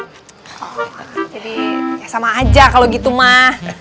oh jadi ya sama aja kalo gitu mah